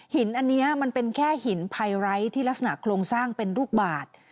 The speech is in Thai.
หินอันนี้มันเป็นแค่หินไพไร้ที่ลักษณะโครงสร้างเป็นลูกบาท